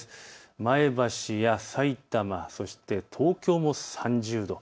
前橋やさいたま、東京も３０度。